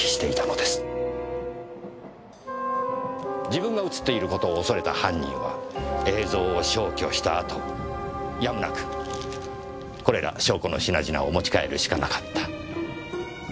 自分が映っている事を恐れた犯人は映像を消去した後やむなくこれら証拠の品々を持ち帰るしかなかった。